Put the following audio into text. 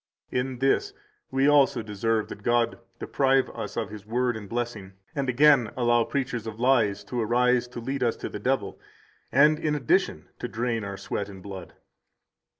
163 In this we also deserve that God deprive us of His Word and blessing, and again allow preachers of lies to arise to lead us to the devil, and, in addition, to drain our sweat and blood.